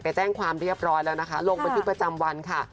ไปแจ้งความเรียบร้อยแล้วนะคะ